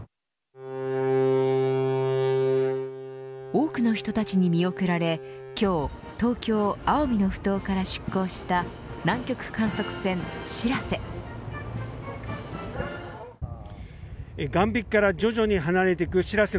多くの人たちに見送られ今日、東京、青海のふ頭から出港した南極観測船しらせ。